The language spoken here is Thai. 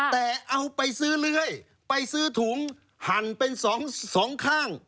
แต่เอาไปซื้อเลื่อยไปซื้อถุงหั่นเป็นสองข้าง